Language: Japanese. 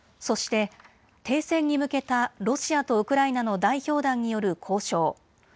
そして、停戦に向けたロシアとウクライナの代表団による交渉。